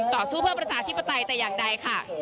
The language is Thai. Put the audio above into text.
ต่อสู้เพื่อประชาธิปไตยแต่อย่างใดค่ะ